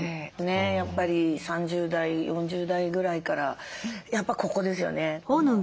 やっぱり３０代４０代ぐらいからやっぱここですよね。